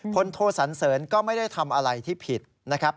โทสันเสริญก็ไม่ได้ทำอะไรที่ผิดนะครับ